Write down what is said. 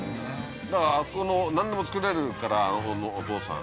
だからあそこの何でも作れるからあのおとうさん。